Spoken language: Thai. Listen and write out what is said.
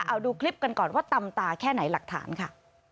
เอาดูคลิปกันก่อนว่าตำตาแค่ไหนหลักฐานค่ะ